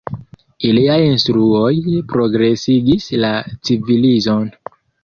Iliaj instruoj progresigis la civilizon.